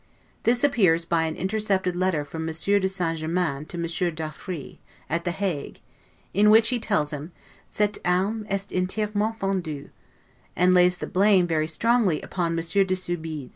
This appears by an intercepted letter from Monsieur de St. Germain to Monsieur d'Affry, at The Hague, in which he tells him, 'Cette arme est entierement fondue', and lays the blame, very strongly, upon Monsieur de Soubize.